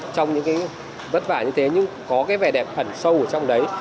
trong những cái vất vả như thế nhưng có cái vẻ đẹp ẩn sâu ở trong đấy